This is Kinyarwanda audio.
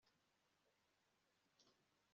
mu ngo zimwe na zimwe